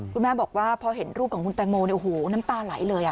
คุณแม่บอกว่าพอเห็นรูปของคุณแตงโมน้ำตาไหลเลย